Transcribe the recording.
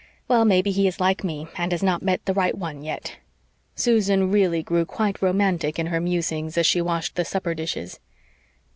Well, maybe he is like me, and has not met the right one yet." Susan really grew quite romantic in her musings as she washed the supper dishes.